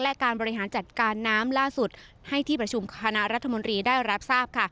และการบริหารจัดการน้ำล่าสุดให้ที่ประชุมคณะรัฐมนตรีได้รับทราบ